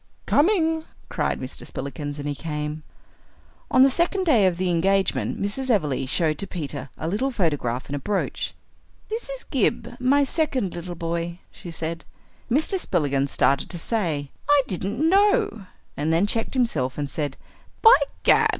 "Coming," cried Mr. Spillikins, and he came. On the second day of the engagement Mrs. Everleigh showed to Peter a little photograph in a brooch. "This is Gib, my second little boy," she said. Mr. Spillikins started to say, "I didn't know " and then checked himself and said, "By Gad!